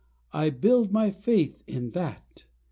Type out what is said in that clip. I build my faith in that